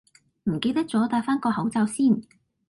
唔記得咗帶返個口罩先